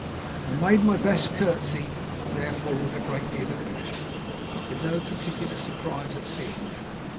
I made my best courtesy, therefore, with a great deal of pleasure, but with no particular surprise at seeing them.